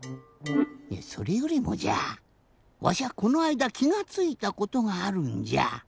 それよりもじゃわしはこのあいだきがついたことがあるんじゃ。